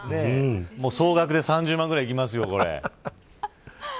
総額で３０万ぐらいいきますよ、これ。